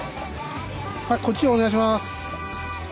こっちお願いします。